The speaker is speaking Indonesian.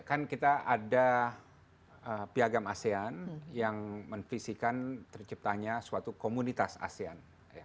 kan kita ada piagam asean yang menvisikan terciptanya suatu komunitas asean